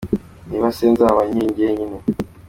niba se nzaba nkiri jyenyine ?”.